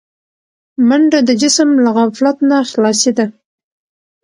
منډه د جسم له غفلت نه خلاصي ده